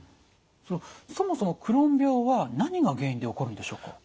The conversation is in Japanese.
そのそもそもクローン病は何が原因で起こるんでしょうか？